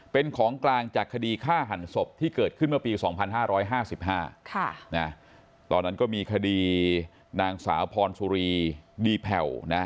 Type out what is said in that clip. เป็นของกลางจากคดีฆ่าหันศพที่เกิดขึ้นเมื่อปี๒๕๕๕ตอนนั้นก็มีคดีนางสาวพรสุรีดีแผ่วนะ